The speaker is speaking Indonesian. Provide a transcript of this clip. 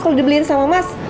kalau dibeliin sama mas